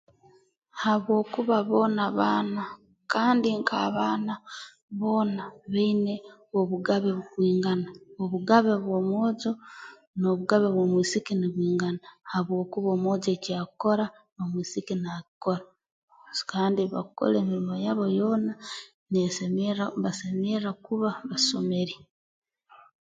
Habwokuba boona baana kandi nk'abaana boona baine obugabe bukwingana obugabe bw'omwojo n'obugabe bw'omwisiki nubwingana habwokuba omwojo eki akukora n'omwisiki naakikora kandi ebi bakukora emirimo yabo yoona neesemerra mbasemerra kuba basomere